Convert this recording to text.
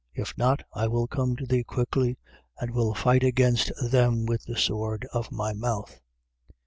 If not, I will come to thee quickly and will fight against them with the sword of my mouth.